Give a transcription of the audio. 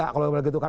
kalau begitu kan